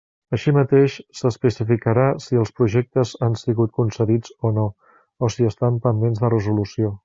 Així mateix, s'especificarà si els projectes han sigut concedits o no, o si estan pendents de resolució.